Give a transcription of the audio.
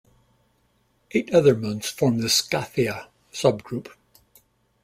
Eight other moons form the Skathi subgroup.